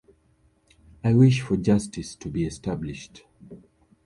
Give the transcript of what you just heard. I wish for justice to be established.